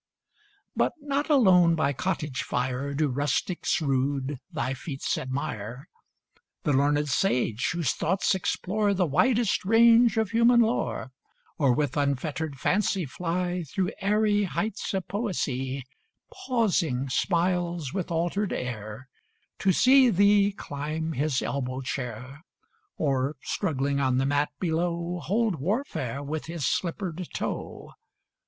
But not alone by cottage fire Do rustics rude thy feats admire. The learned sage, whose thoughts explore The widest range of human lore, Or with unfettered fancy fly Through airy heights of poesy, Pausing smiles with altered air To see thee climb his elbow chair, Or, struggling on the mat below, Hold warfare with his slippered toe.